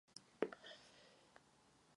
Smrt nikdy nemůže být aktem spravedlnosti.